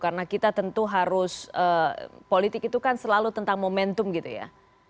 karena kita tentu harus politik itu kan selalu tentang momentum gitu ya